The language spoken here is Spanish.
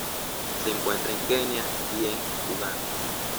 Se encuentra en Kenia y en Uganda.